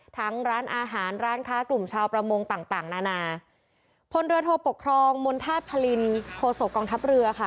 ร้านอาหารร้านค้ากลุ่มชาวประมงต่างต่างนานาพลเรือโทปกครองมณฑาตุพลินโคศกองทัพเรือค่ะ